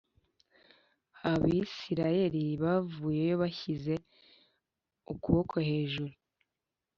Abisirayeli bavuyeyo bashyize ukuboko hejuru